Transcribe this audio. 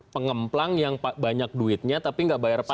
pengemplang yang banyak duitnya tapi nggak bayar pajak